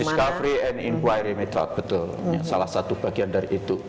discovery and empury metal betul salah satu bagian dari itu